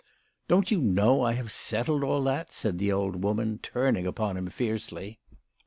"Don't you know I have settled all that?" said the old woman, turning upon him fiercely.